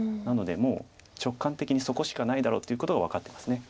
なのでもう直感的にそこしかないだろうということが分かってます。